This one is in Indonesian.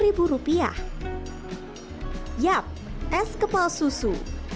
makanan penutup atau dessert ini memang sedang berhasil